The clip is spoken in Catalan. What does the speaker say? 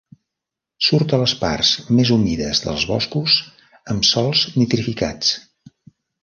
Surt a les parts més humides dels boscos amb sòls nitrificats.